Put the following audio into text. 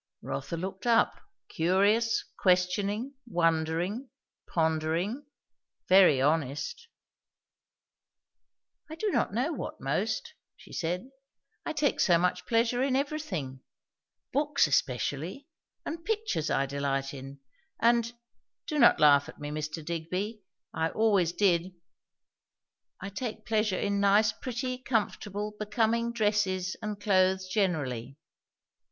Rotha looked up, curious, questioning, wondering, pondering, very honest. "I do not know what most," she said. "I take so much pleasure in everything. Books especially. And pictures I delight in. And do not laugh at me, Mr. Digby! I always did, I take pleasure in nice, pretty, comfortable, becoming, dresses and clothes generally.